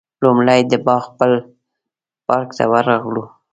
لومړی د باغ پل پارک ته ورغلو.